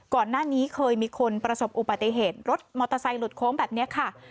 ก่อนหน้านี้เคยมีคนประสบอุบัติเหตุรถมอเตอร์ไซค์หลุดโค้งแบบนี้ค่ะ